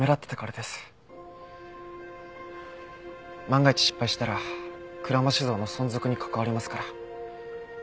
万が一失敗したら鞍馬酒造の存続に関わりますから。